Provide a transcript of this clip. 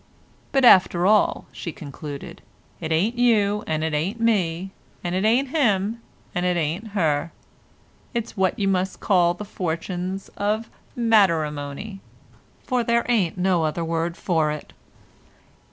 "But after all," she concluded, "it ain't you and it ain't me, and it ain't him and it ain't her. It's what you must call the fortunes of matterimony, for there ain't no other word for it."